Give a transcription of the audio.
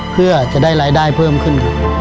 เพื่อจะได้รายได้เพิ่มขึ้น